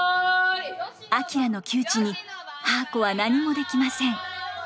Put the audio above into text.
あきらの窮地にはーこは何もできません。